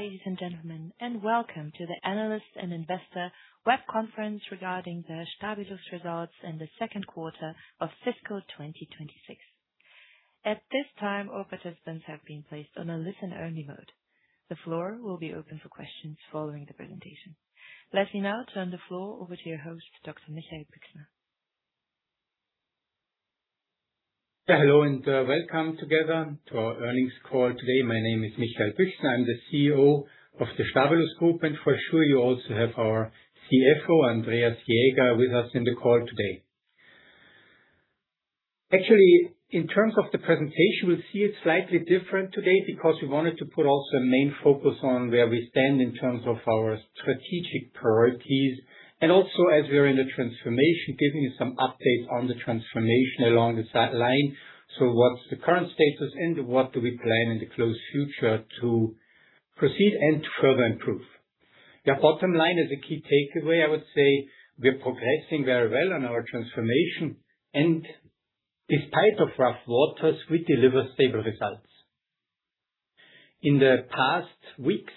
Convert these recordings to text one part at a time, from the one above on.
Ladies and gentlemen, welcome to the analyst and investor web conference regarding the Stabilus results in the second quarter of fiscal 2026. At this time, all participants have been placed on a listen-only mode. The floor will be open for questions following the presentation. Let me now turn the floor over to your host, Dr. Michael Büchsner. Yeah. Hello, and welcome together to our earnings call today. My name is Dr. Michael Büchsner. I'm the CEO of the Stabilus Group. For sure you also have our CFO, Andreas Jaeger, with us in the call today. Actually, in terms of the presentation, we'll see it slightly different today because we wanted to put also a main focus on where we stand in terms of our strategic priorities and also as we're in the transformation, giving you some updates on the transformation along the sideline. What's the current status and what do we plan in the close future to proceed and further improve? The bottom line is a key takeaway. I would say we're progressing very well on our transformation and despite of rough waters, we deliver stable results. In the past weeks,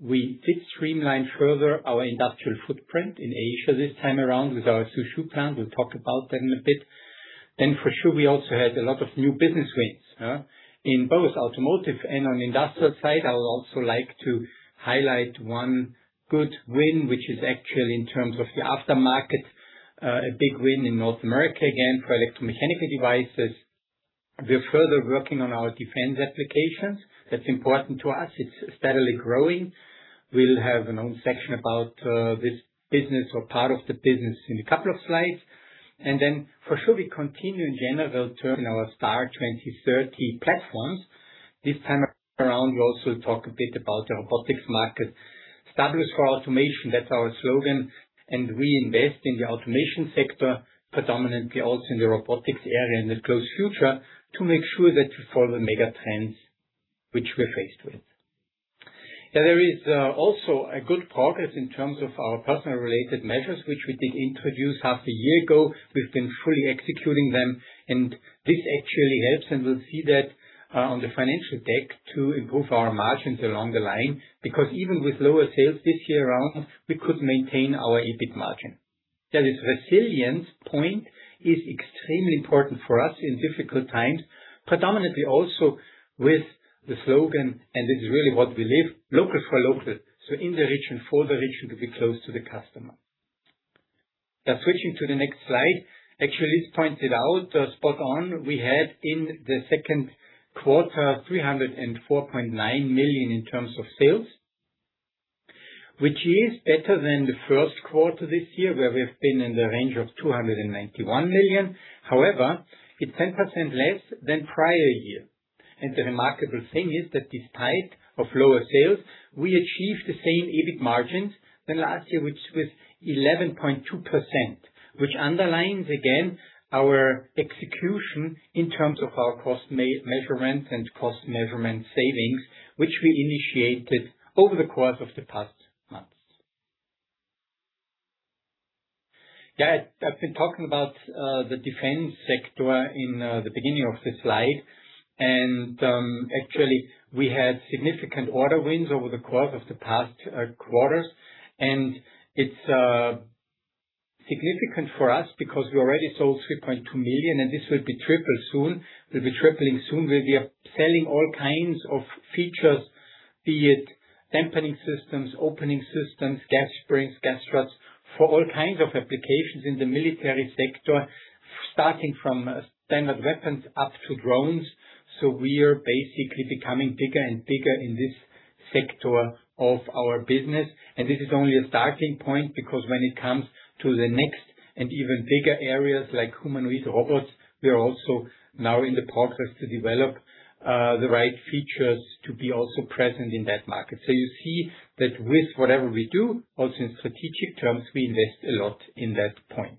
we did streamline further our industrial footprint in Asia this time around with our Suzhou plant. We'll talk about that in a bit. For sure we also had a lot of new business wins in both automotive and on industrial side. I would also like to highlight one good win, which is actually in terms of the aftermarket, a big win in North America again for electromechanical devices. We're further working on our defense applications. That's important to us. It's steadily growing. We'll have an own section about this business or part of the business in a couple of slides. For sure we continue in general term in our STAR 2030 platforms. This time around, we also talk a bit about the robotics market. Stabilus for Automation, that's our slogan. We invest in the automation sector, predominantly also in the robotics area in the close future to make sure that we follow the mega trends which we're faced with. There is also a good progress in terms of our personal related measures, which we did introduce half a year ago. We've been fully executing them. This actually helps, and we'll see that on the financial deck to improve our margins along the line because even with lower sales this year around, we could maintain our EBIT margin. That is resilient point is extremely important for us in difficult times, predominantly also with the slogan. This is really what we live, local for local, so in the region for the region to be close to the customer. Now switching to the next slide. Actually, this points it out, spot on. We had in the second quarter, 304.9 million in terms of sales, which is better than the first quarter this year, where we've been in the range of 291 million. It's 10% less than prior year. The remarkable thing is that despite of lower sales, we achieved the same EBIT margins than last year, which was 11.2%, which underlines again our execution in terms of our cost measurement savings, which we initiated over the course of the past months. Yeah. I've been talking about the defense sector in the beginning of the slide. Actually, we had significant order wins over the course of the past quarters, and it is significant for us because we already sold 3.2 million, and this will be triple soon. We will be tripling soon where we are selling all kinds of features, be it dampening systems, opening systems, gas springs, gas struts for all kinds of applications in the military sector, starting from standard weapons up to drones. We are basically becoming bigger and bigger in this sector of our business. This is only a starting point because when it comes to the next and even bigger areas like humanoid robots, we are also now in the process to develop the right features to be also present in that market. You see that with whatever we do, also in strategic terms, we invest a lot in that point.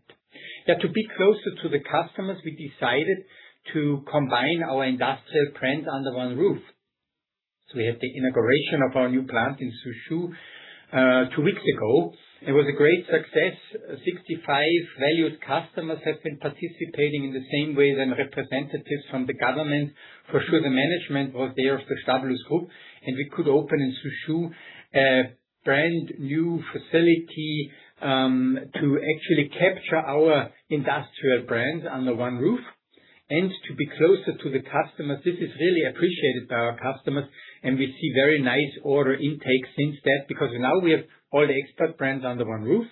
Now to be closer to the customers, we decided to combine our industrial brands under one roof. We had the integration of our new plant in Suzhou, two weeks ago. It was a great success. 65 valued customers have been participating in the same way than representatives from the government. For sure the management was there of the Stabilus Group, and we could open in Suzhou a brand new facility to actually capture our industrial brands under one roof and to be closer to the customers. This is really appreciated by our customers and we see very nice order intake since that because now we have all the expert brands under one roof,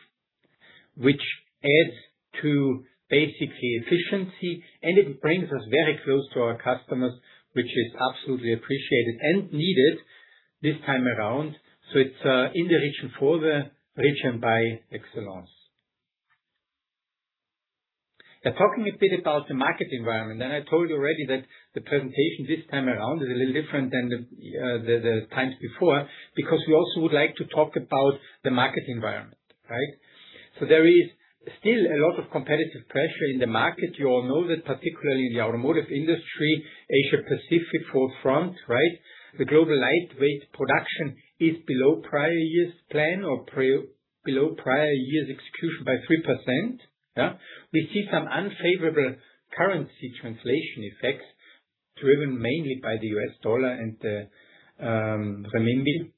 which adds to basically efficiency and it brings us very close to our customers, which is absolutely appreciated and needed this time around. It's in the region for the region by excellence. Now talking a bit about the market environment, and I told you already that the presentation this time around is a little different than the times before because we also would like to talk about the market environment, right? There is still a lot of competitive pressure in the market. You all know that particularly in the automotive industry, Asia Pacific forefront, right? The global lightweight production is below prior year's plan or below prior year's execution by 3%, yeah. We see some unfavorable currency translation effects driven mainly by the U.S. dollar and the renminbi.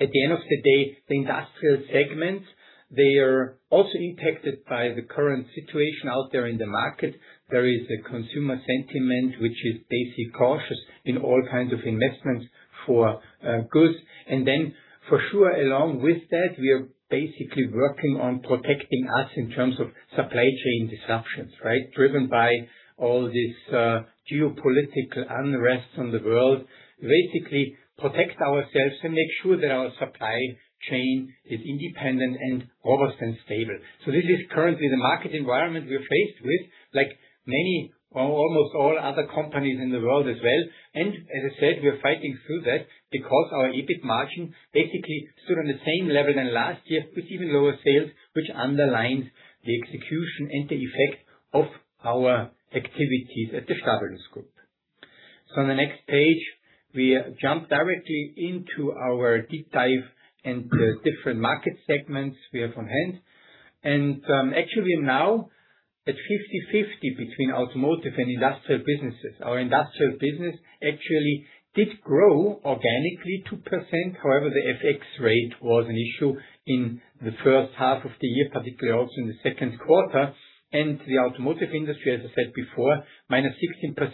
At the end of the day, the industrial segment, they are also impacted by the current situation out there in the market. There is a consumer sentiment, which is basically cautious in all kinds of investments for goods. Then for sure, along with that, we are basically working on protecting us in terms of supply chain disruptions, right? Driven by all this geopolitical unrest in the world. Basically, protect ourselves and make sure that our supply chain is independent and robust and stable. This is currently the market environment we are faced with, like many or almost all other companies in the world as well. As I said, we are fighting through that because our EBIT margin basically stood on the same level than last year with even lower sales, which underlines the execution and the effect of our activities at the Stabilus Group. On the next page, we jump directly into our deep dive and the different market segments we have on hand. Actually now at 50/50 between automotive and industrial businesses. Our industrial business actually did grow organically 2%. However, the FX rate was an issue in the first half of the year, particularly also in the second quarter. The automotive industry, as I said before, minus 16%,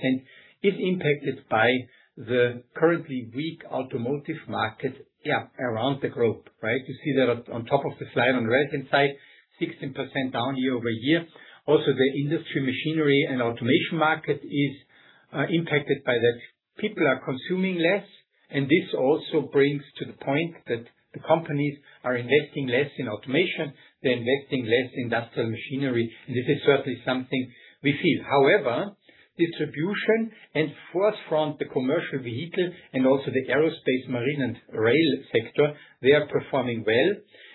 is impacted by the currently weak automotive market around the globe. You see that on top of the slide on the right-hand side, 16% down year-over-year. The industry machinery and automation market is impacted by that. People are consuming less. This also brings to the point that the companies are investing less in automation. They're investing less in industrial machinery. This is certainly something we feel. Distribution and forefront the commercial vehicle and also the aerospace, marine, and rail sector, they are performing well.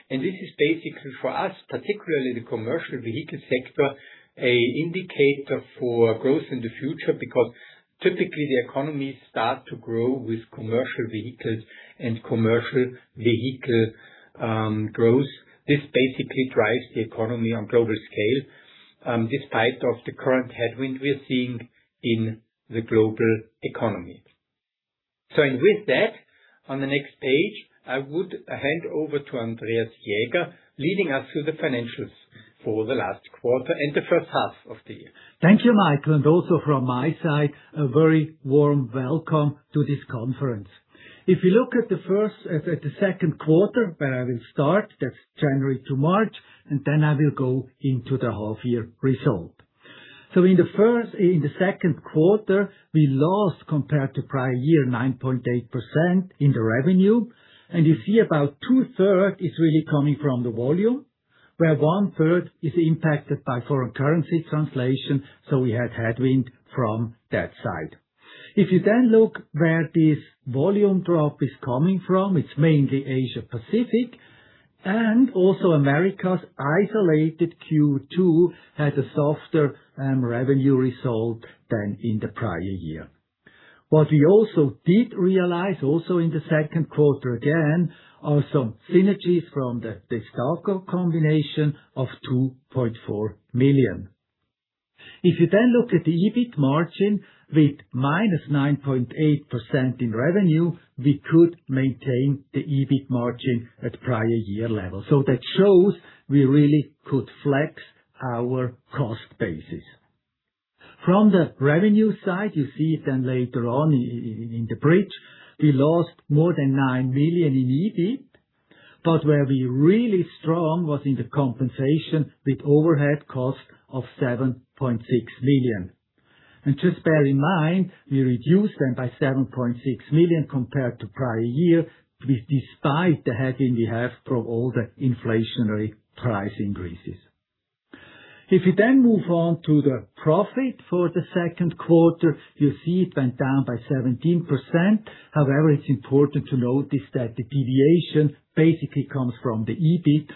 This is basically for us, particularly the commercial vehicle sector, an indicator for growth in the future, because typically the economy starts to grow with commercial vehicles and commercial vehicle growth. This basically drives the economy on global scale, despite of the current headwind we're seeing in the global economy. With that, on the next page, I would hand over to Andreas Jaeger, leading us through the financials for the last quarter and the first half of the year. Thank you, Michael, and also from my side, a very warm welcome to this conference. If you look at the first, at the second quarter, where I will start, that's January to March, then I will go into the half year result. In the first, in the second quarter, we lost compared to prior year, 9.8% in the revenue. You see about two-third is really coming from the volume, where one-third is impacted by foreign currency translation. We had headwind from that side. If you then look where this volume drop is coming from, it's mainly Asia-Pacific, and also Americas isolated Q2 had a softer revenue result than in the prior year. What we also did realize, also in the second quarter again, are some synergies from the DESTACO combination of 2.4 million. If you look at the EBIT margin with -9.8% in revenue, we could maintain the EBIT margin at prior year level. That shows we really could flex our cost basis. From the revenue side, you see it later on in the bridge, we lost more than 9 million in EBIT, where we're really strong was in the compensation with overhead cost of 7.6 million. Just bear in mind, we reduced them by 7.6 million compared to prior year, with despite the headwind we have from all the inflationary price increases. If you move on to the profit for the second quarter, you see it went down by 17%. However, it's important to notice that the deviation basically comes from the EBIT.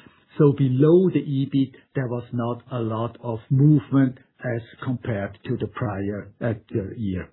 Below the EBIT, there was not a lot of movement as compared to the prior year.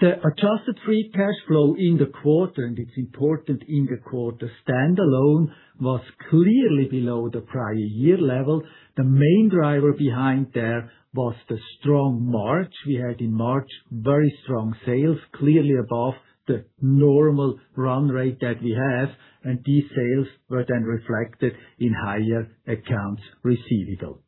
The adjusted free cash flow in the quarter, and it's important in the quarter standalone, was clearly below the prior year level. The main driver behind there was the strong March. We had in March, very strong sales, clearly above the normal run rate that we have, and these sales were then reflected in higher accounts receivable.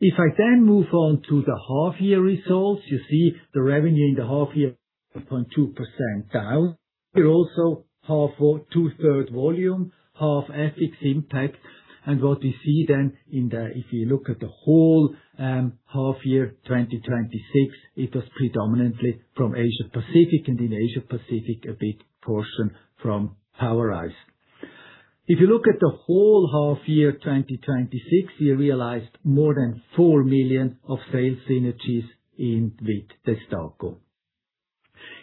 If I then move on to the half year results, you see the revenue in the half year 0.2% down. Here also half or two-third volume, half FX impact. What you see then if you look at the whole half year 2026, it was predominantly from Asia-Pacific, and in Asia-Pacific, a big portion from POWERISE. If you look at the whole half year 2026, we realized more than 4 million of sales synergies in with DESTACO.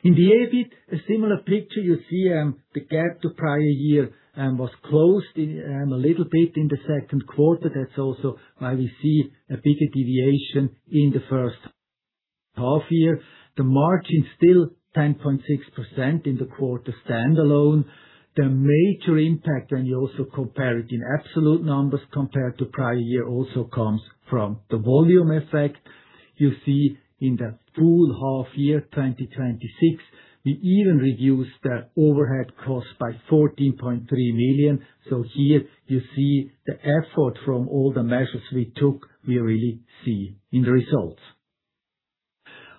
In the EBIT, a similar picture, you see, the gap to prior year was closed a little bit in the second quarter. That's also why we see a bigger deviation in the first half year. The margin still 10.6% in the quarter standalone. The major impact when you also compare it in absolute numbers compared to prior year also comes from the volume effect. You see in the full half year 2026, we even reduced the overhead cost by 14.3 million. Here you see the effort from all the measures we took, we really see in the results.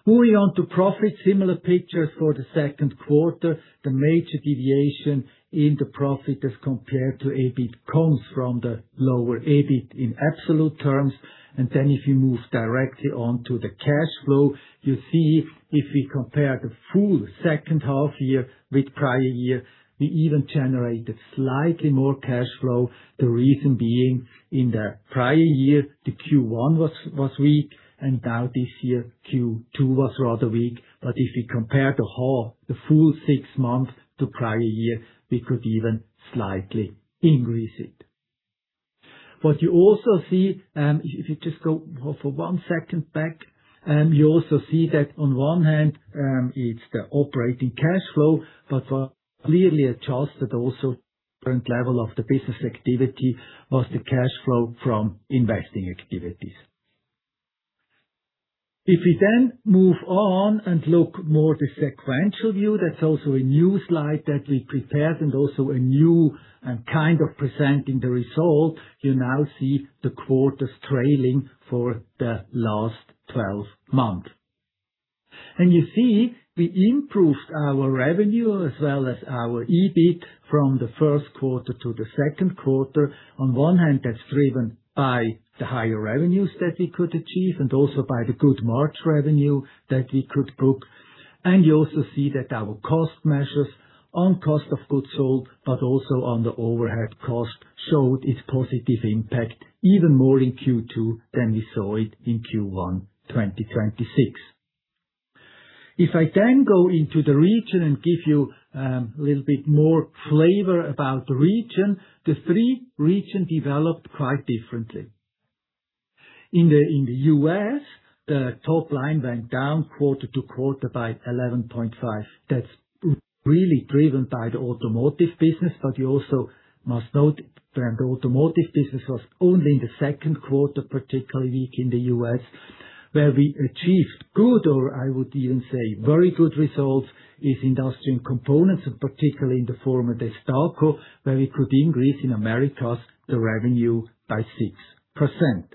Moving on to profit, similar picture for the second quarter. The major deviation in the profit as compared to EBIT comes from the lower EBIT in absolute terms. If you move directly on to the cash flow, you see if we compare the full second half-year with prior year, we even generated slightly more cash flow. The reason being, in the prior year, the Q1 was weak, and now this year Q2 was rather weak. If we compare the whole, the full six months to prior year, we could even slightly increase it. What you also see, if you just go for one second back, you also see that on one hand, it's the operating cash flow, but for clearly adjusted also current level of the business activity was the cash flow from investing activities. We then move on and look more the sequential view, that's also a new slide that we prepared and also a new kind of presenting the result. You now see the quarters trailing for the last 12 months. You see we improved our revenue as well as our EBIT from the first quarter to the secnd quarter. One hand, that's driven by the higher revenues that we could achieve, and also by the good March revenue that we could book. You also see that our cost measures on cost of goods sold, but also on the overhead cost, showed its positive impact even more in Q2 than we saw it in Q1 2026. I then go into the region and give you a little bit more flavor about the region, the three region developed quite differently. In the U.S., the top line went down quarter-to-quarter by 11.5%. That's really driven by the automotive business. You also must note that the automotive business was only in the second quarter, particularly weak in the U.S., where we achieved good, or I would even say very good results, is industrial components, and particularly in the form of DESTACO, where we could increase in Americas the revenue by 6%.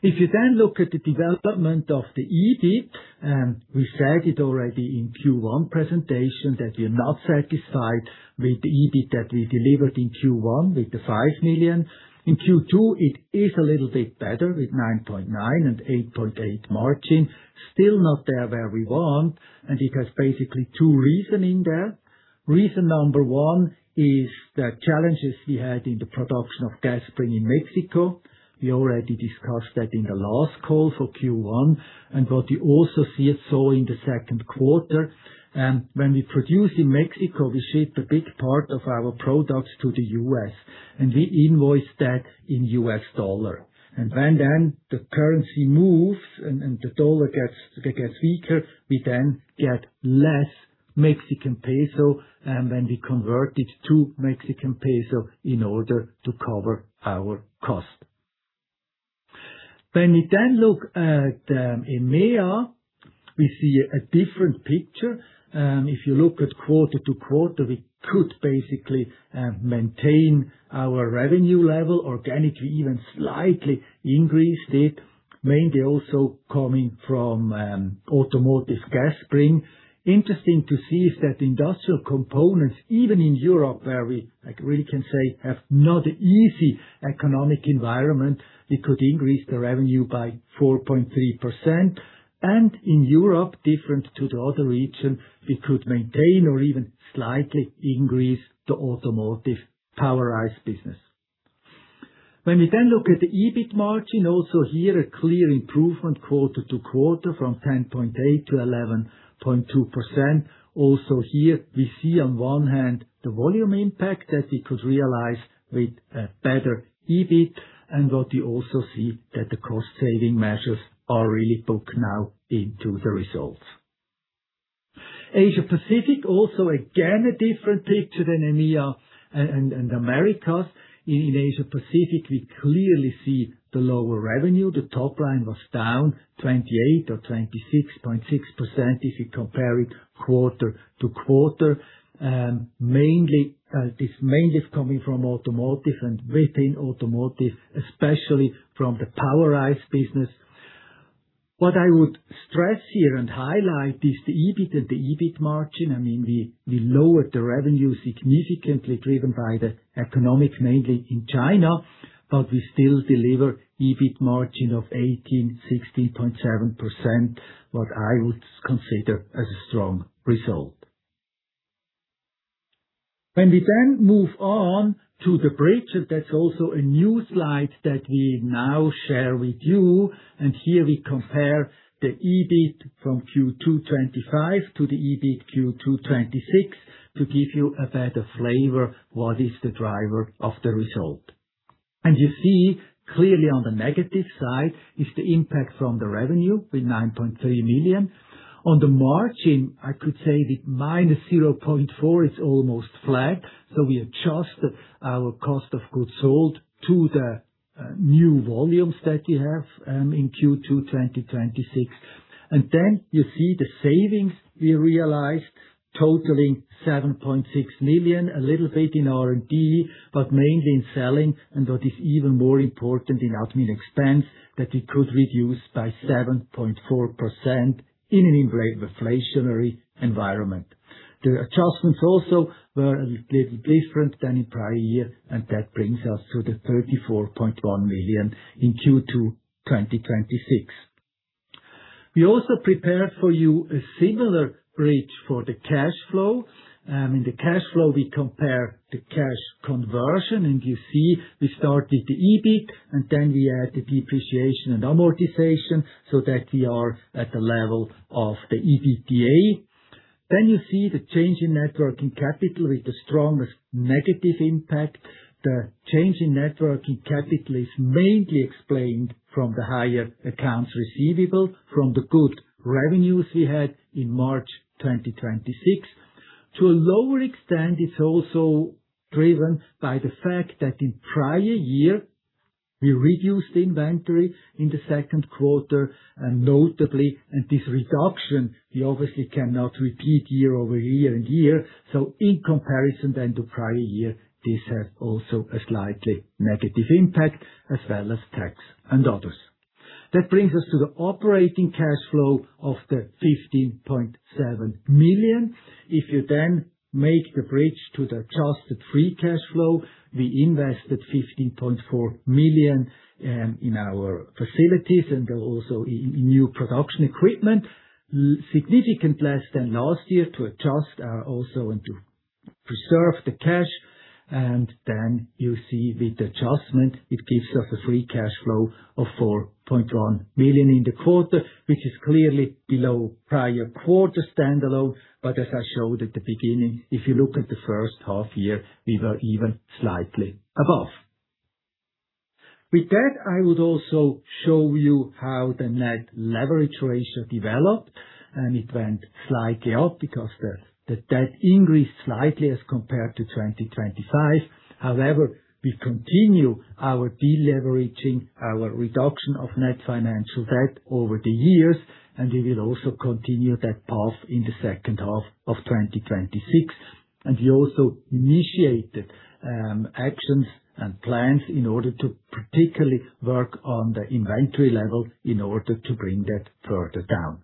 If you then look at the development of the EBIT, we said it already in Q1 presentation that we are not satisfied with the EBIT that we delivered in Q1 with the 5 million. In Q2, it is a little bit better with 9.9 and 8.8% margin. Still not there where we want, and it has basically two reasoning there. Reason one is the challenges we had in the production of gas spring in Mexico. We already discussed that in the last call for Q1. What you also see it so in the second quarter, when we produce in Mexico, we ship a big part of our products to the U.S., and we invoice that in US dollar. When then the currency moves and the dollar gets weaker, we then get less Mexican peso when we convert it to Mexican peso in order to cover our cost. When we then look at EMEA, we see a different picture. If you look at quarter-to-quarter, we could basically maintain our revenue level organically, even slightly increased it, mainly also coming from automotive gas spring. Interesting to see is that industrial components, even in Europe, where we, like really can say, have not an easy economic environment, we could increase the revenue by 4.3%. In Europe, different to the other region, we could maintain or even slightly increase the automotive POWERISE business. We then look at the EBIT margin, also here a clear improvement quarter-to-quarter from 10.8 to 11.2%. Also here we see on one hand the volume impact that we could realize with a better EBIT, what we also see that the cost saving measures are really booked now into the results. Asia Pacific also again a different picture than EMEA and Americas. In Asia Pacific, we clearly see the lower revenue. The top line was down 28% or 26.6% if you compare it quarter-over-quarter. Mainly, this mainly is coming from automotive and within automotive, especially from the POWERISE business. What I would stress here and highlight is the EBIT and the EBIT margin. I mean, we lowered the revenue significantly driven by the economic, mainly in China, but we still deliver EBIT margin of 18%, 16.7%, what I would consider as a strong result. When we then move on to the bridge, that's also a new slide that we now share with you. Here we compare the EBIT from Q2 2025 to the EBIT Q2 2026 to give you a better flavor what is the driver of the result. You see clearly on the negative side is the impact from the revenue with 9.3 million. On the margin, I could say the -0.4 is almost flat. We adjust our cost of goods sold to the new volumes that we have in Q2 2026. You see the savings we realized totaling 7.6 million, a little bit in R&D, but mainly in selling, and what is even more important in admin expense, that we could reduce by 7.4% in an inflationary environment. The adjustments also were a little different than in prior year. That brings us to the 34.1 million in Q2 2026. We also prepared for you a similar bridge for the cash flow. In the cash flow, we compare the cash conversion, and you see we started the EBIT, and then we add the depreciation and amortization so that we are at the level of the EBITDA. You see the change in net working capital with the strongest negative impact. The change in net working capital is mainly explained from the higher accounts receivable from the good revenues we had in March 2026. To a lower extent, it is also driven by the fact that in prior year, we reduced the inventory in the second quarter, and notably, and this reduction, we obviously cannot repeat year-over-year and year. In comparison then to prior year, this has also a slightly negative impact as well as tax and others. That brings us to the operating cash flow of 15.7 million. If you then make the bridge to the adjusted free cash flow, we invested 15.4 million in our facilities and also in new production equipment. Significant less than last year to adjust, also to preserve the cash, then you see with the adjustment, it gives us a free cash flow of 4.1 million in the quarter, which is clearly below prior quarter standalone. As I showed at the beginning, if you look at the first half year, we were even slightly above. With that, I would also show you how the net leverage ratio developed, it went slightly up because the debt increased slightly as compared to 2025. However, we continue our deleveraging, our reduction of net financial debt over the years, we will also continue that path in the second half of 2026. We also initiated actions and plans in order to particularly work on the inventory level in order to bring that further down.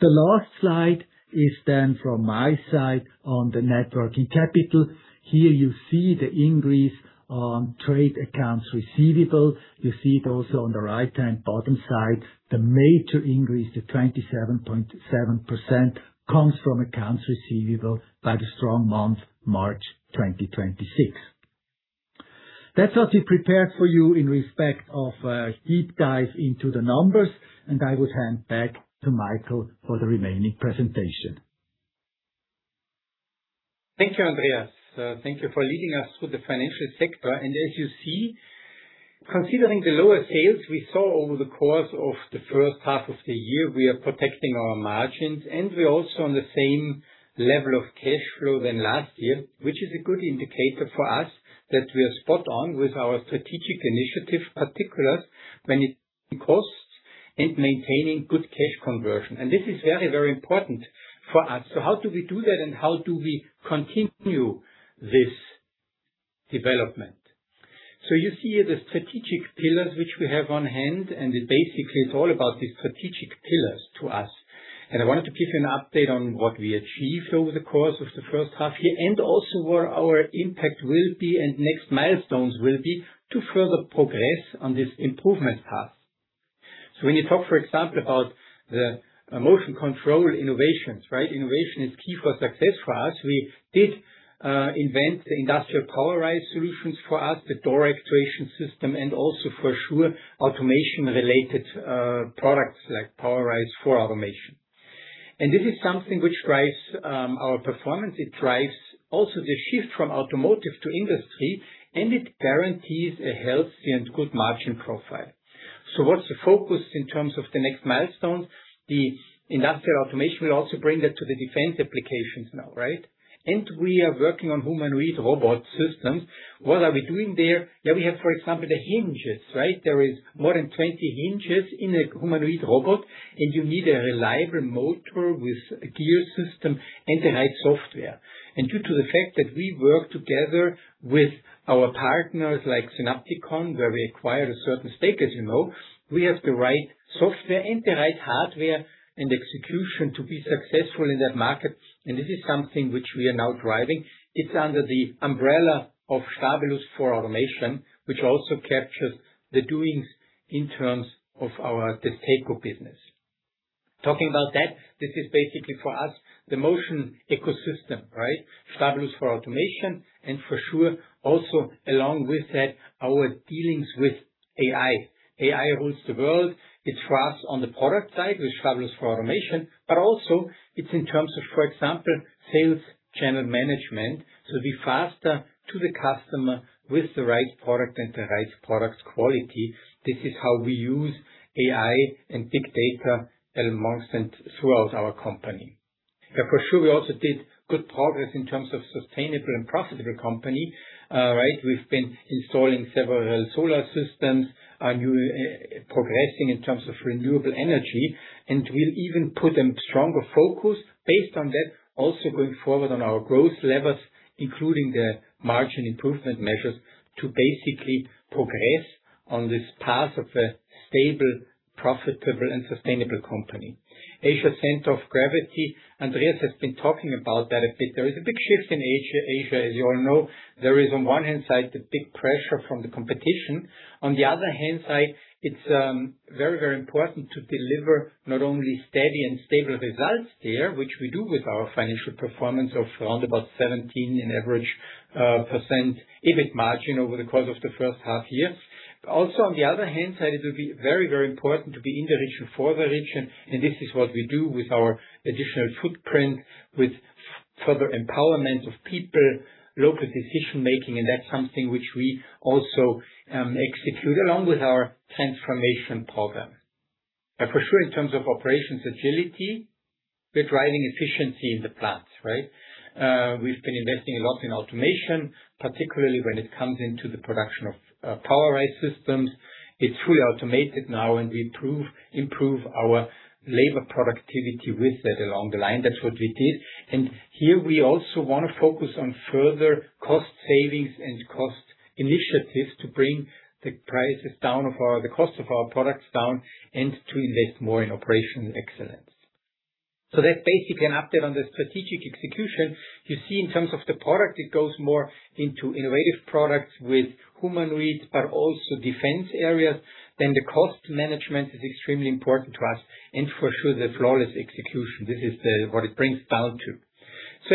The last slide is then from my side on the net working capital. Here you see the increase on trade accounts receivable. You see it also on the right-hand bottom side. The major increase to 27.7% comes from accounts receivable by the strong month, March 2026. That's what we prepared for you in respect of a deep dive into the numbers, and I would hand back to Michael for the remaining presentation. Thank you, Andreas Jaeger. Thank you for leading us through the financial sector. As you see, considering the lower sales we saw over the course of the first half of the year, we are protecting our margins, and we're also on the same level of cash flow than last year, which is a good indicator for us that we are spot on with our strategic initiative, particularly when it costs and maintaining good cash conversion. This is very, very important for us. How do we do that? How do we continue this development? You see the strategic pillars which we have on hand. Basically, it's all about the strategic pillars to us. I wanted to give you an update on what we achieved over the course of the first half year and also where our impact will be and next milestones will be to further progress on this improvement path. When you talk, for example, about the motion control innovations, right? Innovation is key for success for us. We did invent the industrial POWERISE solutions for us, the door actuation system, and also for sure, automation-related products like POWERISE for automation. This is something which drives our performance. It drives also the shift from automotive to industry, and it guarantees a healthy and good margin profile. What's the focus in terms of the next milestones? The industrial automation will also bring that to the defense applications now, right? We are working on humanoid robot systems. What are we doing there? We have, for example, the hinges, right? There is more than 20 hinges in a humanoid robot, and you need a reliable motor with a gear system and the right software. Due to the fact that we work together with our partners like Synapticon, where we acquired a certain stake, as you know, we have the right software and the right hardware and execution to be successful in that market, and this is something which we are now driving. It's under the umbrella of Stabilus for Automation, which also captures the doings in terms of the business. Talking about that, this is basically for us the motion ecosystem, right? Stabilus for Automation, for sure, also along with that, our dealings with AI. AI rules the world. It's for us on the product side with Stabilus for Automation, but also it's in terms of, for example, sales channel management. Be faster to the customer with the right product and the right product quality. This is how we use AI and big data amongst and throughout our company. Yeah, for sure. We also did good progress in terms of sustainable and profitable company, right. We've been installing several solar systems, new, progressing in terms of renewable energy, we'll even put a stronger focus based on that. Going forward on our growth levels, including the margin improvement measures to basically progress on this path of a stable, profitable, and sustainable company. Asia center of gravity. Andreas has been talking about that a bit. There is a big shift in Asia, as you all know. There is, on one hand side, the big pressure from the competition. On the other hand side, it's very, very important to deliver not only steady and stable results there, which we do with our financial performance of around about 17% EBIT margin over the course of the first half year. Also on the other hand side, it will be very, very important to be in the region, for the region, and this is what we do with our additional footprint, with further empowerment of people, local decision-making, and that's something which we also execute along with our transformation program. For sure, in terms of operations agility, we're driving efficiency in the plants, right? We've been investing a lot in automation, particularly when it comes into the production of POWERISE systems. It's fully automated now. We improve our labor productivity with that along the line. That's what we did. Here we also wanna focus on further cost savings and cost initiatives to bring the cost of our products down and to invest more in operational excellence. That's basically an update on the strategic execution. You see in terms of the product, it goes more into innovative products with humanoid robots, but also defense areas. The cost management is extremely important to us and for sure, the flawless execution. This is what it brings down to.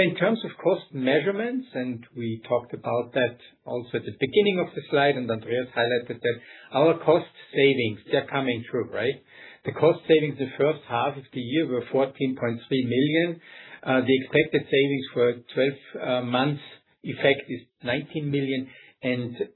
In terms of cost measurements, and we talked about that also at the beginning of the slide, and Andreas highlighted that our cost savings, they're coming true, right? The cost savings the first half of the year were 14.3 million. The expected savings for 12 months effect is 19 million. Even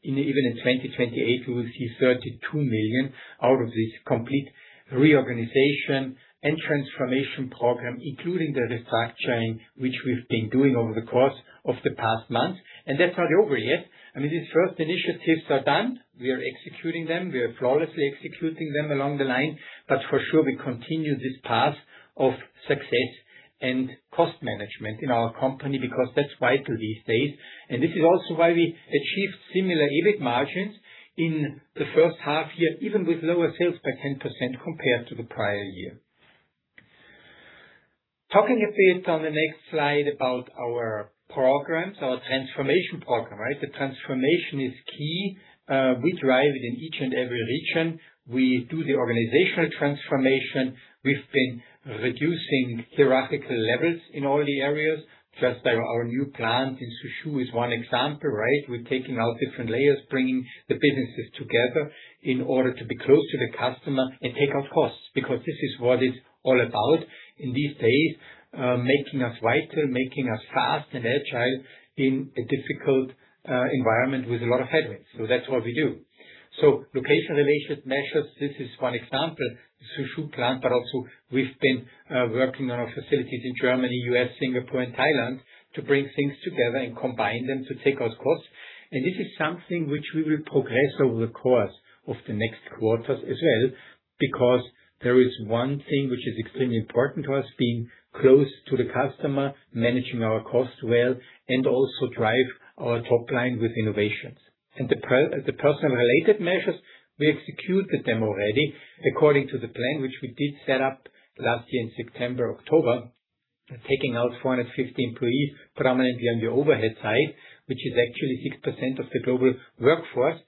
in 2028, we will see 32 million out of this complete reorganization and transformation program, including the restructuring, which we've been doing over the course of the past month. That's not over yet. I mean, these first initiatives are done. We are executing them. We are flawlessly executing them along the line. For sure, we continue this path of success and cost management in our company because that's vital these days. This is also why we achieved similar EBIT margins in the first half-year, even with lower sales by 10% compared to the prior year. Talking a bit on the next slide about our programs, our transformation program, right? The transformation is key. We drive it in each and every region. We do the organizational transformation. We've been reducing hierarchical levels in all the areas. Our new plant in Suzhou is one example, right? We're taking out different layers, bringing the businesses together in order to be close to the customer and take out costs, because this is what it's all about in these days, making us vital, making us fast and agile in a difficult environment with a lot of headwinds. That's what we do. Location-related measures, this is one example, the Suzhou plant. Also we've been working on our facilities in Germany, U.S., Singapore, and Thailand to bring things together and combine them to take out costs. This is something which we will progress over the course of the next quarters as well, because there is one thing which is extremely important to us, being close to the customer, managing our costs well, and also drive our top line with innovations. The personal related measures, we executed them already according to the plan which we did set up last year in September, October, taking out 450 employees, predominantly on the overhead side, which is actually 6% of the global workforce.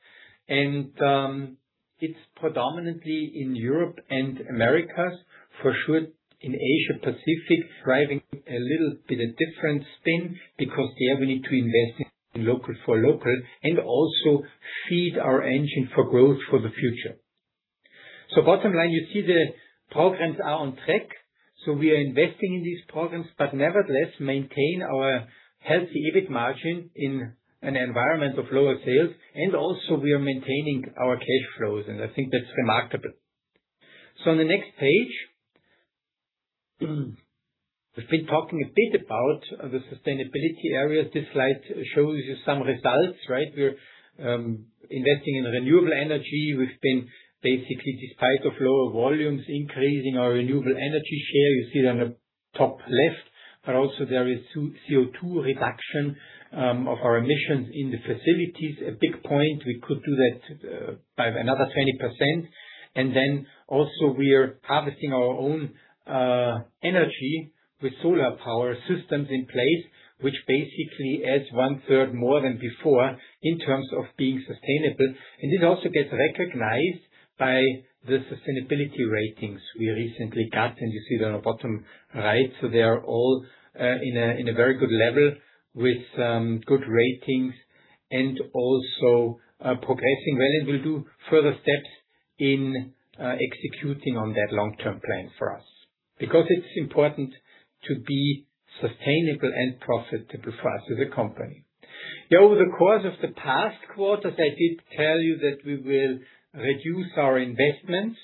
It's predominantly in Europe and Americas, for sure in Asia Pacific, driving a little bit of different spin because there we need to invest in local for local and also feed our engine for growth for the future. Bottom line, you see the programs are on track, so we are investing in these programs, but nevertheless maintain our healthy EBIT margin in an environment of lower sales. Also we are maintaining our cash flows, and I think that's remarkable. On the next page, we've been talking a bit about the sustainability areas. This slide shows you some results, right? We're investing in renewable energy. We've been basically, despite of lower volumes, increasing our renewable energy share. You see it on the top left. Also there is CO2 reduction of our emissions in the facilities. A big point, we could do that by another 20%. Also we are harvesting our own energy with solar power systems in place, which basically adds one-third more than before in terms of being sustainable. It also gets recognized by the sustainability ratings we recently got. You see it on the bottom right. They are all in a very good level with good ratings and also progressing well. We'll do further steps in executing on that long-term plan for us because it's important to be sustainable and profitable for us as a company. Over the course of the past quarters, I did tell you that we will reduce our investments,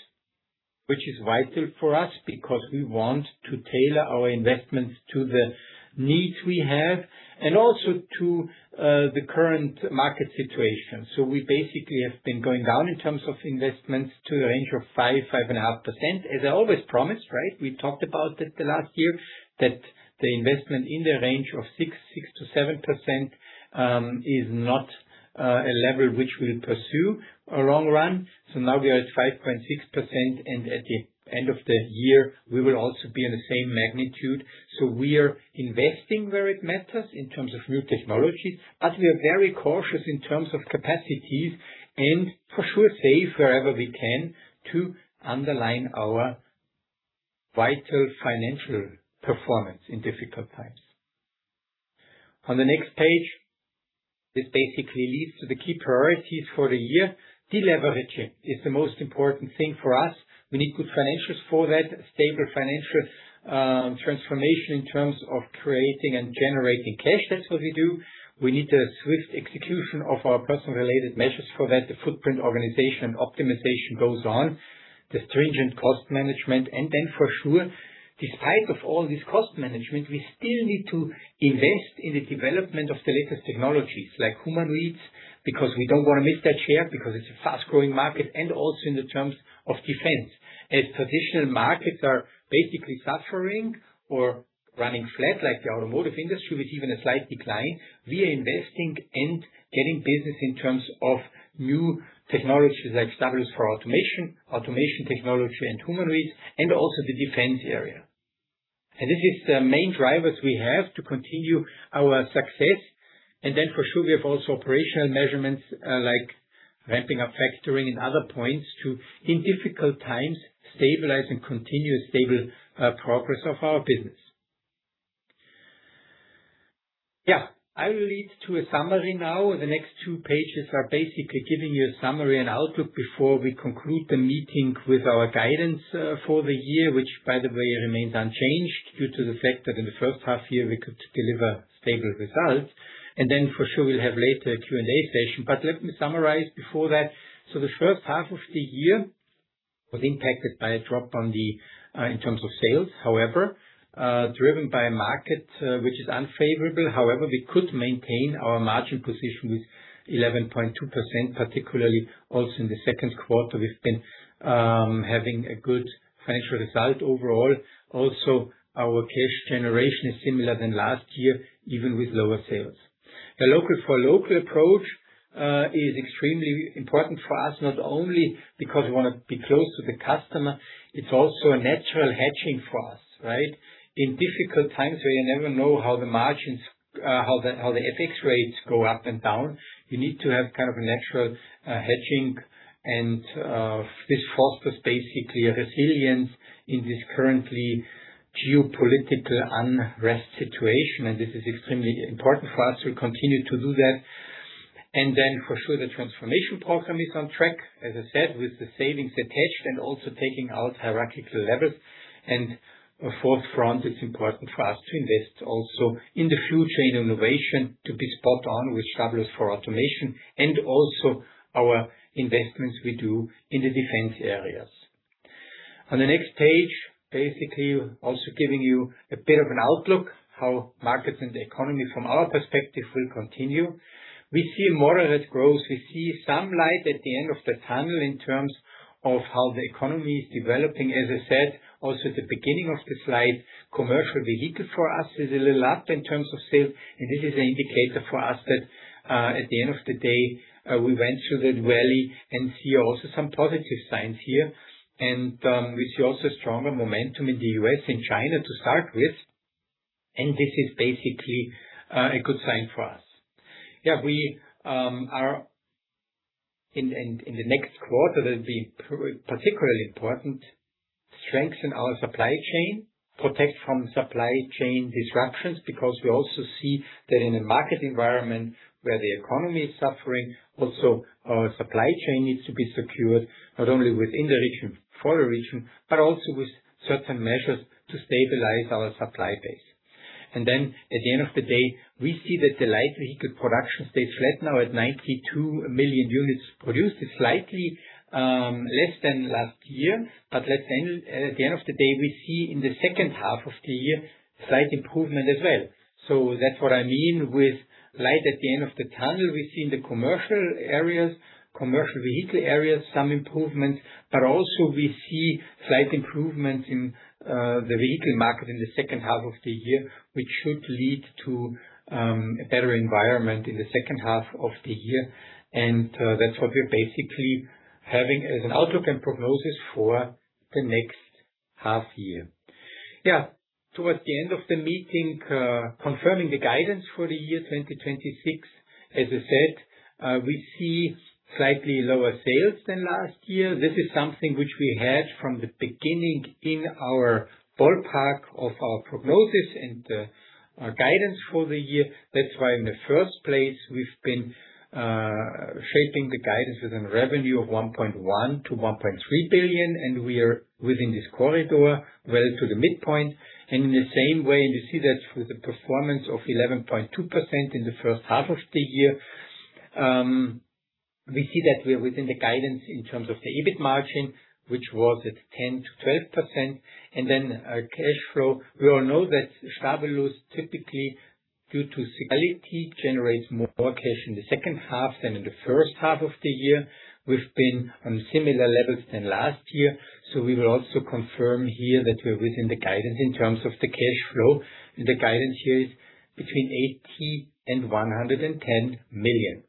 which is vital for us because we want to tailor our investments to the needs we have and also to the current market situation. We basically have been going down in terms of investments to a range of 5.5%, as I always promised, right? We talked about it the last year that the investment in the range of 6%-7% is not a level which we will pursue a long run. Now we are at 5.6%, and at the end of the year we will also be in the same magnitude. We are investing where it matters in terms of new technology, but we are very cautious in terms of capacities and for sure save wherever we can to underline our vital financial performance in difficult times. On the next page, this basically leads to the key priorities for the year. Deleveraging is the most important thing for us. We need good financials for that. Stable financial transformation in terms of creating and generating cash. That's what we do. We need a swift execution of our personnel-related measures for that. The footprint organization and optimization goes on. The stringent cost management. Despite of all this cost management, we still need to invest in the development of the latest technologies like humanoids, because we don't want to miss that share, because it's a fast-growing market and also in terms of defense. As traditional markets are basically suffering or running flat like the automotive industry, with even a slight decline, we are investing and getting business in terms of new technologies like Stabilus for Automation, automation technology and humanoids, and also the defense area. This is the main drivers we have to continue our success. We have also operational measurements, like ramping up factoring and other points to, in difficult times, stabilize and continue stable progress of our business. Yeah. I will lead to a summary now. The next two pages are basically giving you a summary and outlook before we conclude the meeting with our guidance for the year, which by the way remains unchanged due to the fact that in the first half-year we could deliver stable results. For sure we'll have later a Q&A session. Let me summarize before that. The first half of the year was impacted by a drop on the in terms of sales, however, driven by a market which is unfavorable. However, we could maintain our margin position with 11.2%, particularly also in the second quarter. We've been having a good financial result overall. Also, our cash generation is similar than last year, even with lower sales. The local-for-local approach is extremely important for us, not only because we want to be close to the customer, it's also a natural hedging for us, right? In difficult times, where you never know how the margins, how the FX rates go up and down, you need to have kind of a natural hedging. This fosters basically a resilience in this currently geopolitical unrest situation. This is extremely important for us to continue to do that. Then for sure, the transformation program is on track, as I said, with the savings attached and also taking out hierarchical levels. Forefront, it's important for us to invest also in the future innovation to be spot on with Stabilus for Automation and also our investments we do in the defense areas. On the next page, basically, also giving you a bit of an outlook, how markets and the economy from our perspective will continue. We see moderate growth. We see some light at the end of the tunnel in terms of how the economy is developing. As I said, also at the beginning of the slide, commercial vehicle for us is a little up in terms of sales, and this is an indicator for us that, at the end of the day, we went through that valley and see also some positive signs here. We see also stronger momentum in the U.S. and China to start with, and this is basically a good sign for us. We are in the next quarter, that'll be particularly important, strengthen our supply chain, protect from supply chain disruptions, because we also see that in a market environment where the economy is suffering, also our supply chain needs to be secured, not only within the region, for the region, but also with certain measures to stabilize our supply base. At the end of the day, we see that the light vehicle production stays flat now at 92 million units produced. It's slightly less than last year. Let's end at the end of the day, we see in the second half of the year slight improvement as well. That's what I mean with light at the end of the tunnel. We see in the commercial areas, commercial vehicle areas, some improvements, we see slight improvements in the vehicle market in the second half of the year, which should lead to a better environment in the second half of the year. That's what we're having as an outlook and prognosis for the next half year. Towards the end of the meeting, confirming the guidance for the year 2026. As I said, we see slightly lower sales than last year. This is something which we had from the beginning in our ballpark of our prognosis and our guidance for the year. That's why in the first place we've been shaping the guidance within revenue of 1.1 billion-1.3 billion, we are within this corridor well to the midpoint. In the same way, you see that with the performance of 11.2% in the first half of the year, we see that we are within the guidance in terms of the EBIT margin, which was at 10%-12%, and then our cash flow. We all know that Stabilus typically, due to seasonality, generates more cash in the second half than in the first half of the year. We've been on similar levels than last year. We will also confirm here that we are within the guidance in terms of the cash flow. The guidance here is between 80 million and 110 million.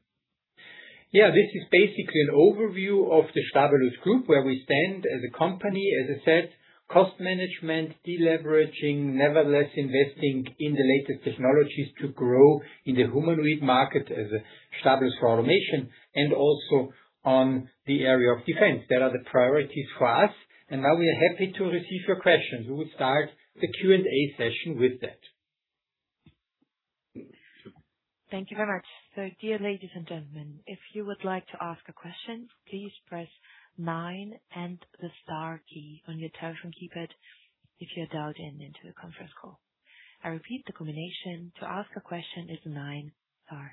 This is basically an overview of the Stabilus Group, where we stand as a company. As I said, cost management, de-leveraging, nevertheless, investing in the latest technologies to grow in the humanoid robot market as a Stabilus for Automation and also on the area of defense. That are the priorities for us. Now we are happy to receive your questions. We will start the Q&A session with that. Thank you very much. Dear ladies and gentlemen, if you would like to ask a question, please press nine and the star key on your telephone keypad if you have dialed in into the conference call. I repeat, the combination to ask a question is nine star.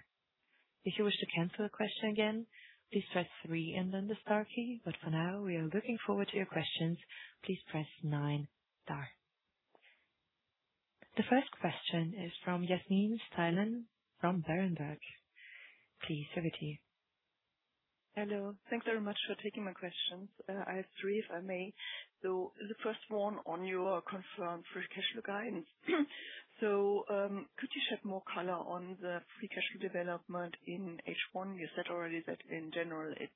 If you wish to cancel a question again, please press three and then the star key. For now, we are looking forward to your questions. Please press nine star. The first question is from Yasmin Steilen from Berenberg. Please over to you. Hello. Thanks very much for taking my questions. I have three, if I may. The first one on your confirmed free cash flow guidance. Could you shed more color on the free cash flow development in H1? You said already that in general it's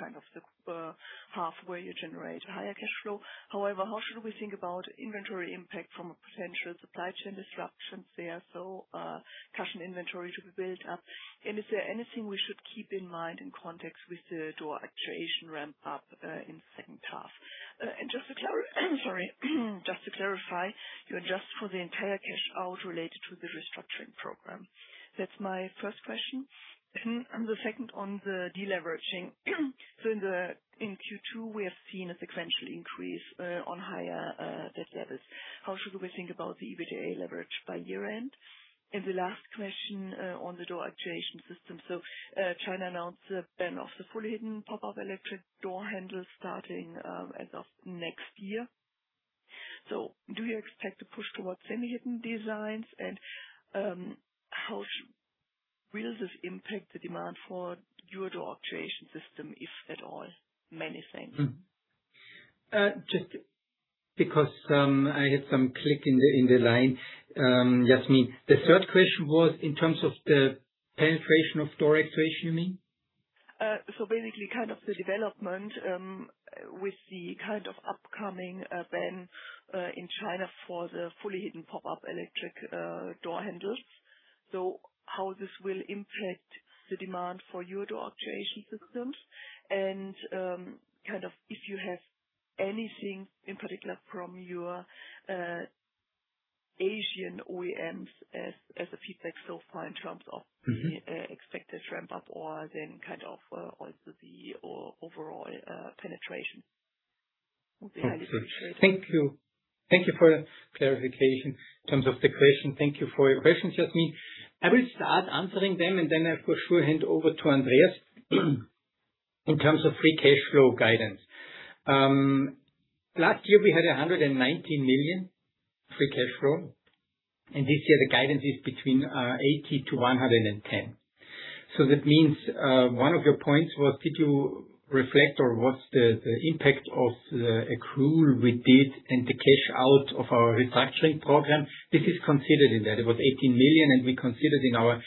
kind of the half where you generate higher cash flow. However, how should we think about inventory impact from potential supply chain disruptions there? Cash and inventory to be built up. Is there anything we should keep in mind in context with the door actuation ramp up in H2? Just to clarify, you adjust for the entire cash out related to the restructuring program. That's my first question. The second on the deleveraging. In Q2 we have seen a sequential increase on higher debt levels. How should we think about the EBITDA leverage by year-end? The last question on the door actuation system. China announced the ban of the fully hidden pop-up electric door handles starting as of next year. Do you expect to push towards semi-hidden designs? How will this impact the demand for your door actuation system, if at all? Many thanks. Just because, I had some click in the, in the line, Yasmin. The third question was in terms of the penetration of door actuation, you mean? Basically kind of the development, with the kind of upcoming ban in China for the fully hidden pop-up electric door handles, how this will impact the demand for your door actuation systems and kind of if you have anything in particular from your Asian OEMs as a feedback so far in terms of? Mm-hmm. The expected ramp up or then kind of, also the overall penetration. Thank you. Thank you for the clarification in terms of the question. Thank you for your questions, Yasmin. I will start answering them and then I for sure hand over to Andreas. Last year we had 190 million free cash flow. This year the guidance is between 80 million-110 million. That means one of your points was did you reflect or what's the impact of the accrual we did and the cash out of our restructuring program? This is considered in that. It was 18 million. We considered in our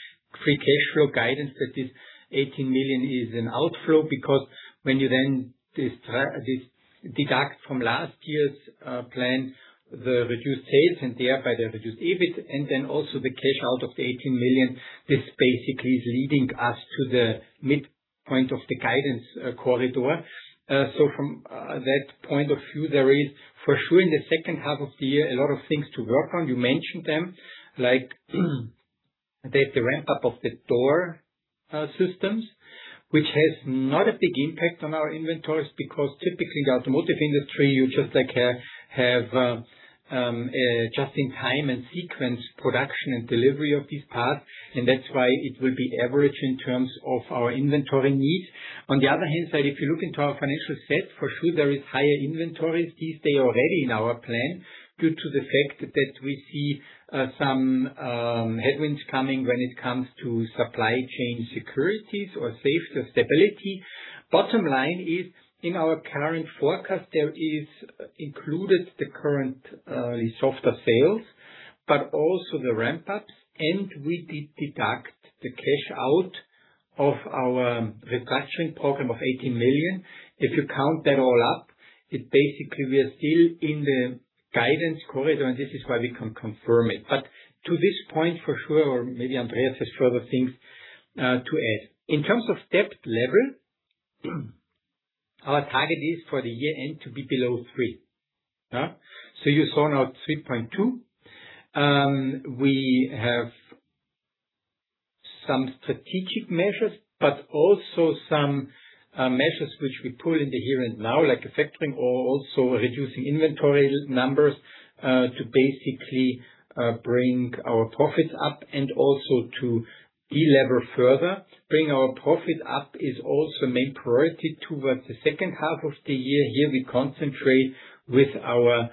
free cash flow guidance that this 18 million is an outflow, because when you then deduct from last year's plan the reduced sales and thereby the reduced EBIT, and then also the cash out of the 18 million, this basically is leading us to the midpoint of the guidance corridor. From that point of view, there is for sure in the second half of the year a lot of things to work on. You mentioned them like there's the ramp-up of the door systems, which has not a big impact on our inventories, because typically the automotive industry, you just like have just-in-time and sequenced production and delivery of these parts, and that's why it will be average in terms of our inventory needs. On the other hand side, if you look into our financial set, for sure there is higher inventories this day already in our plan due to the fact that we see some headwinds coming when it comes to supply chain securities or safety or stability. Bottom line is, in our current forecast, there is included the current softer sales, but also the ramp-ups, and we did deduct the cash out of our restructuring program of 18 million. If you count that all up, it, basically, we are still in the guidance corridor, and this is why we can confirm it. To this point for sure, or maybe Andreas has further things to add. In terms of debt level, our target is for the year-end to be below three. Huh? You saw now 3.2. We have some strategic measures, but also some measures which we put into here and now, like the factoring or also reducing inventory numbers, to bring our profits up and also to delever further. Bring our profit up is also main priority towards the second half of the year. Here we concentrate with our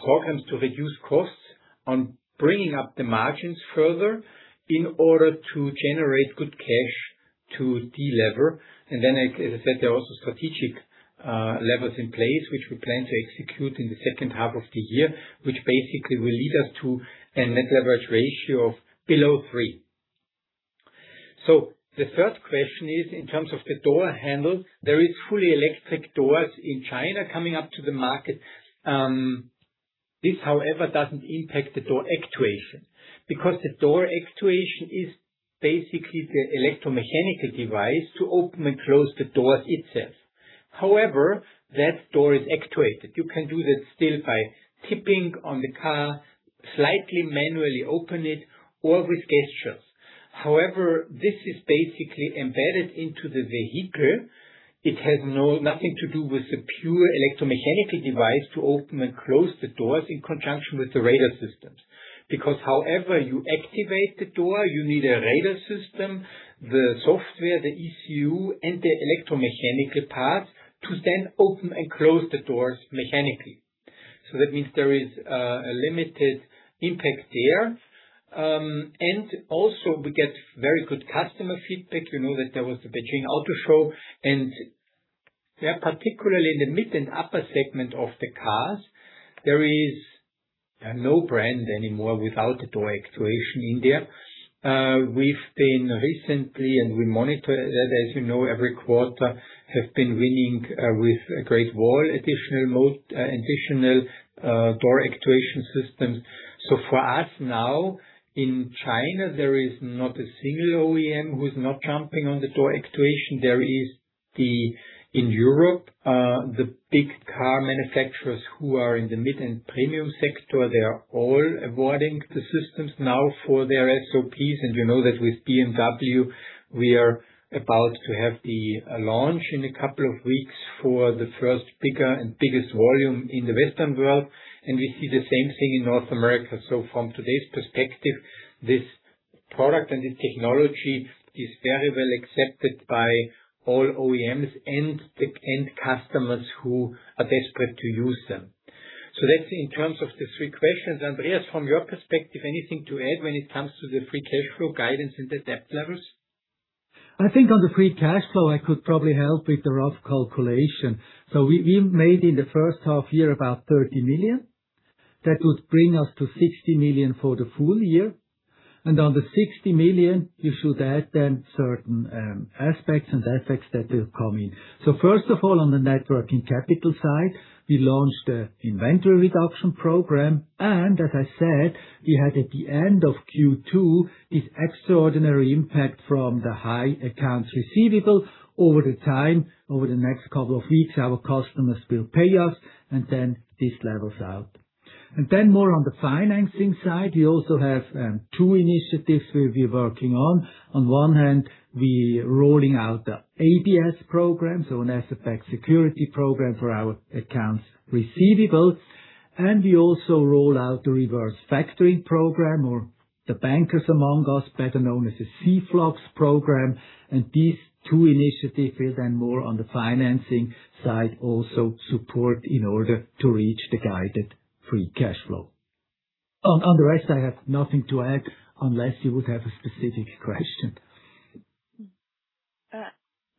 programs to reduce costs on bringing up the margins further in order to generate good cash to delever. As I said, there are also strategic levers in place which we plan to execute in the second half of the year, which will lead us to a net leverage ratio of below three. The third question is in terms of the door handle, there is fully electric doors in China coming up to the market. This, however, doesn't impact the door actuation. The door actuation is basically the electromechanical device to open and close the doors itself. That door is actuated. You can do that still by tipping on the car, slightly manually open it, or with gestures. This is basically embedded into the vehicle. It has nothing to do with the pure electromechanical device to open and close the doors in conjunction with the radar systems. However you activate the door, you need a radar system, the software, the ECU, and the electromechanical parts to then open and close the doors mechanically. That means there is a limited impact there. Also we get very good customer feedback. You know that there was the Beijing Auto Show, particularly in the mid and upper segment of the cars, there is no brand anymore without a door actuation in there. We've been recently, and we monitor that, as you know, every quarter, have been winning with Great Wall additional door actuation systems. For us now, in China, there is not a single OEM who's not jumping on the door actuation. In Europe, the big car manufacturers who are in the mid and premium sector, they are all awarding the systems now for their SOPs. You know that with BMW, we are about to have the launch in a couple of weeks for the first bigger and biggest volume in the Western world. We see the same thing in North America. From today's perspective, this product and this technology is very well accepted by all OEMs and the end customers who are desperate to use them. That's in terms of the three questions. Andreas, from your perspective, anything to add when it comes to the free cash flow guidance and the debt levels? I think on the free cash flow, I could probably help with the rough calculation. We made in the first half-year about 30 million. That would bring us to 60 million for the full year. On the 60 million, you should add then certain aspects and effects that will come in. First of all, on the net working capital side, we launched a inventory reduction program. As I said, we had at the end of Q2 this extraordinary impact from the high accounts receivable over the time. Over the next couple of weeks, our customers will pay us, and then this levels out. More on the financing side, we also have two initiatives we'll be working on. On one hand, we rolling out the ABS program, so an asset-backed security program for our accounts receivable. We also roll out the reverse factoring program, or the bankers among us, better known as the Cflox program. These two initiatives is then more on the financing side, also support in order to reach the guided free cash flow. On the rest, I have nothing to add unless you would have a specific question.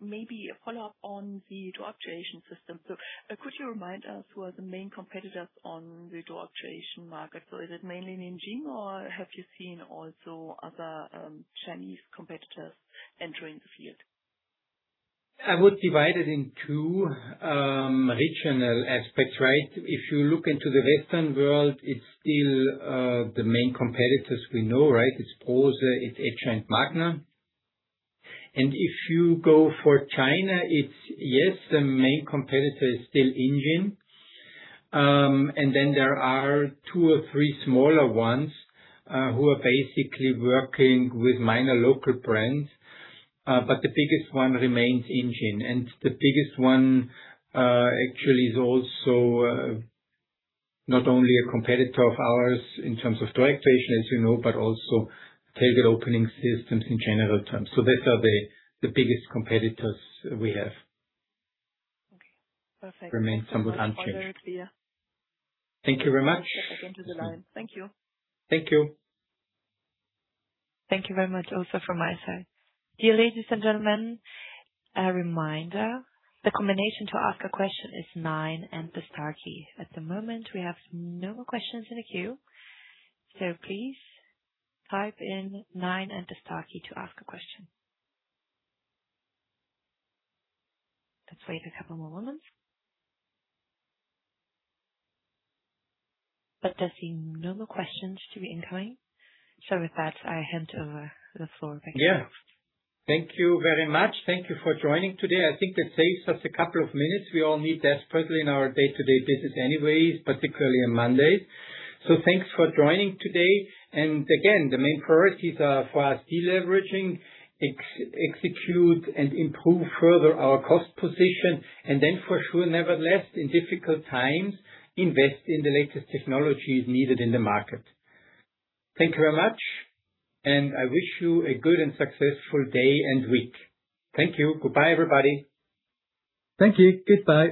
Maybe a follow-up on the door actuation system. Could you remind us who are the main competitors on the door actuation market? Is it mainly Ningbo or have you seen also other Chinese competitors entering the field? I would divide it in two regional aspects, right? If you look into the Western world, it's still the main competitors we know, right? It's Brose, it's Kiekert and Magna. If you go for China, it's Yes, the main competitor is still Engine. Then there are two or three smaller ones who are basically working with minor local brands. The biggest one remains Engine. The biggest one actually is also not only a competitor of ours in terms of door actuation, as you know, but also tailgate opening systems in general terms. That are the biggest competitors we have. Okay. Perfect. Remain somewhat unchanged. That was very clear. Thank you very much. I'll step back into the line. Thank you. Thank you. Thank you very much also from my side. Dear ladies and gentlemen, a reminder, the combination to ask a question is nine and the star key. At the moment, we have no more questions in the queue. Please type in nine and the star key to ask a question. Let's wait a couple more moments. There seem no more questions to be incoming. With that, I hand over the floor back to you. Yeah. Thank you very much. Thank you for joining today. I think that saves us a couple of minutes. We all need desperately in our day-to-day business anyways, particularly on Monday. Thanks for joining today. Again, the main priorities are for us deleveraging, execute and improve further our cost position, and then for sure, nevertheless, in difficult times, invest in the latest technologies needed in the market. Thank you very much, and I wish you a good and successful day and week. Thank you. Goodbye, everybody. Thank you. Goodbye.